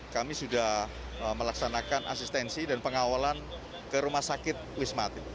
kami sudah melaksanakan asistensi dan pengawalan ke rumah sakit wisma atlet